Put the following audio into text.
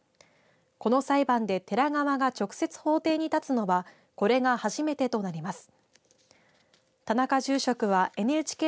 この裁判で寺側が直接法廷に立つのはこれが初めてとなります。